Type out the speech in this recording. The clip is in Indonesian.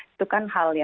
itu kan halnya